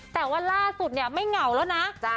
แต่ว่าล่าสุดเนี่ยไม่เหงาแล้วนะ